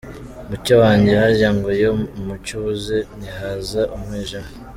Mucyo wanjye, harya ngo iyo umucyo ubuze, ntihaza umwijima?